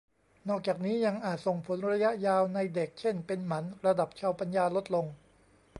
นอกจากนี้ยังอาจส่งผลระยะยาวในเด็ก เช่น เป็นหมัน ระดับเชาว์ปัญญาลดลง